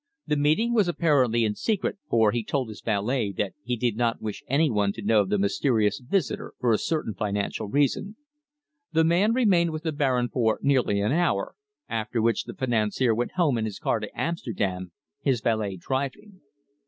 The meeting was apparently in secret, for he told his valet that he did not wish anyone to know of the mysterious visitor for a certain financial reason. The man remained with the Baron for nearly an hour, after which the financier went home in his car to Amsterdam, his valet driving.